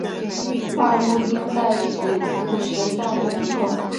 二丁目在洗足池站东侧。